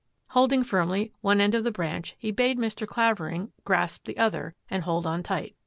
Holding firmly one end of the branch, he bade Mr. Clavering grasp the other and hold on tight.